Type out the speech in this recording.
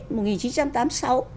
một nghìn chí trăm tám sau